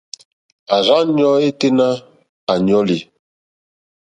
À rzá ɲɔ̄ yêténá à ɲɔ́lì.